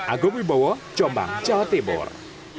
agung wibowo jombang jawa timur